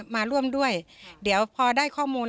มาร่วมด้วยเดี๋ยวพอได้ข้อมูล